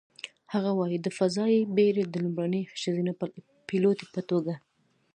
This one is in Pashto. هغه وايي: "د فضايي بېړۍ د لومړنۍ ښځینه پیلوټې په توګه،